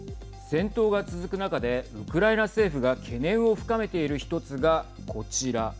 戦闘が続く中でウクライナ政府が懸念を深めている１つがこちら。